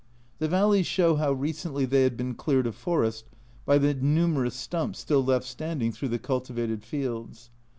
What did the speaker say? The valleys show how recently they had been cleared of forest, by the numerous stumps still left standing through the cultivated fields.